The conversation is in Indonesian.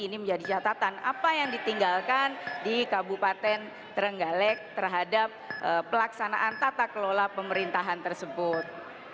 ini menjadi catatan apa yang ditinggalkan di kabupaten terenggalek terhadap pelaksanaan tata kelola pemerintahan tersebut